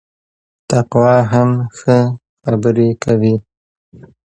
تقوا هم ښه خبري کوي